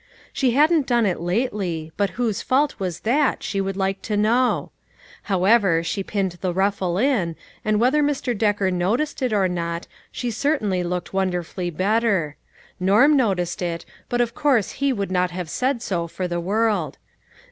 She hadn't done it lately, but whose fault was {fiat, she should like to know ? However, she pinned the ruffle in, and whether Mr. Decker noticed it or not, she certainly looked wonder fully better. Norm noticed it, but of course he would not have said so for the world.